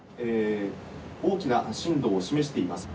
大きな震度を示しています。